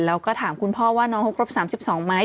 แล้วก็ถามคุณพ่อว่าน้องเขาครบ๓๒ไหม